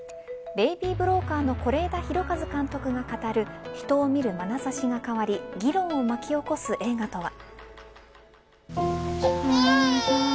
ベイビー・ブローカーの是枝裕和監督が語る人を見るまなざしが変わり議論を巻き起こす映画とは。